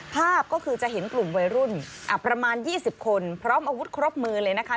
ภาพก็คือจะเห็นกลุ่มวัยรุ่นประมาณ๒๐คนพร้อมอาวุธครบมือเลยนะคะ